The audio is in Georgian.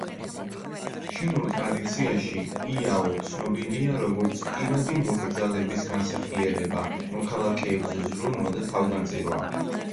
ჩინურ ტრადიციებში იაო ცნობილია როგორც პირადი მოკრძალების განსახიერება, მოქალაქეებზე ზრუნვა და თავგანწირვა.